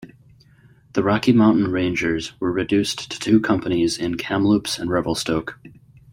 The Rocky Mountain Rangers were reduced to two companies in Kamloops and Revelstoke.